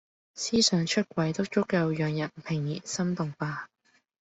思想出軌都足夠讓人怦然心動吧！